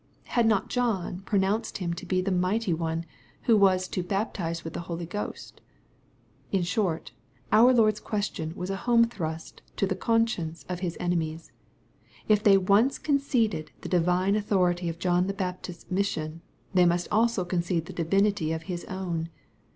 Had not John pronounced Him to be the Mighty One, who was to " baptize with the Holy Ghost ?" \ln short, our Lord's question was a home thrust to the conscience of His enemies. If they once conceded tb'j divine authority of John the Baptist's mission, they in(7J3t also concede the divinity of His own.